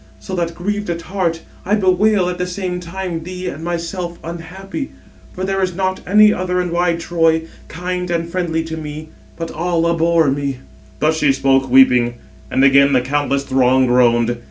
So that, grieved at heart, I bewail at the same time thee and myself, unhappy; for there is not any other in wide Troy kind and friendly to me; but all abhor me." Thus she spoke, weeping; and again the countless throng groaned.